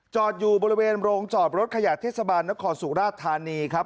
จอดอยู่บริเวณโรงจอดรถขยะเทศบาลนครสุราชธานีครับ